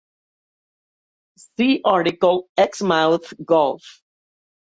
"See article: Exmouth Gulf"